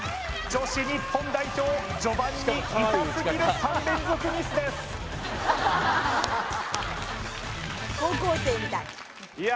女子日本代表序盤にイタすぎる３連続ミスですいや